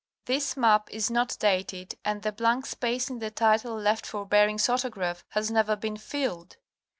This map is not dated and the blank space in the title left for Bering's autograph has never been filled.